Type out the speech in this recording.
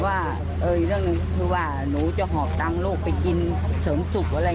ว่าอีกเรื่องหนึ่งคือว่าหนูจะหอบตังค์ลูกไปกินเสริมสุขอะไร